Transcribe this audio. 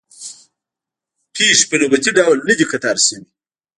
پېښې په نوبتي ډول نه دي قطار شوې.